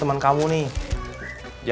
terima kasih pak